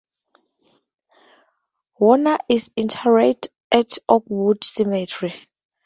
Warner is interred at Oakwood Cemetery.